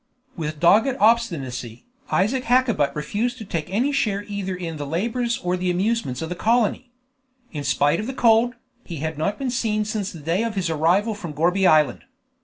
With dogged obstinacy, Isaac Hakkabut refused to take any share either in the labors or the amusements of the colony. In spite of the cold, he had not been seen since the day of his arrival from Gourbi Island.